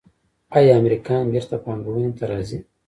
آیا امریکایان بیرته پانګونې ته راځí؟